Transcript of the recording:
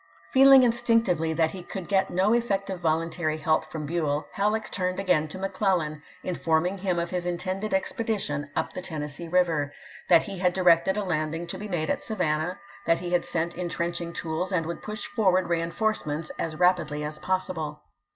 ^'' Feeling instinctively that he could get no effective voluntary help from Buell, Halleck turned again to McClellan, informing him of his intended expedi tion up the Tennessee River ; that he had directed a landing to be made at Savannah ; that he had sent intrenching tools, and would push forward reen forcements as rapidly as possible.